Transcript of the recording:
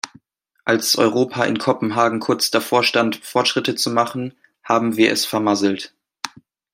Als Europa in Kopenhagen kurz davor stand, Fortschritte zu machen, haben wir es vermasselt!